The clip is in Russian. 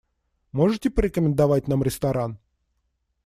Можете порекомендовать нам ресторан?